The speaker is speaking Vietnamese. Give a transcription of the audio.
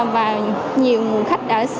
và nhiều khách đã